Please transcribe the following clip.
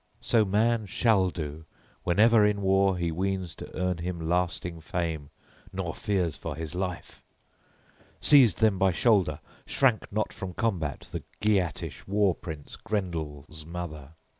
So man shall do whenever in war he weens to earn him lasting fame, nor fears for his life! Seized then by shoulder, shrank not from combat, the Geatish war prince Grendel's mother.